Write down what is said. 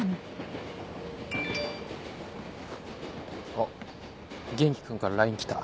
あっ元気君からＬＩＮＥきた。